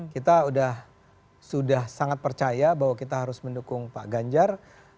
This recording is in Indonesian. kita sudah sangat percaya bahwa kita harus mendukung pak ganjar